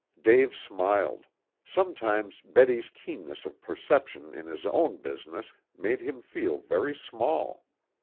Dave smiled. Sometimes Betty's keenness of perception in his own business made him feel very small.